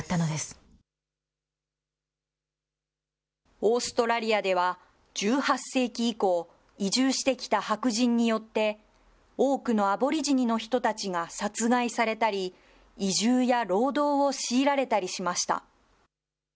オーストラリアでは、１８世紀以降、移住してきた白人によって、多くのアボリジニの人たちが殺害されたり、移住や労働を強いられたりしました。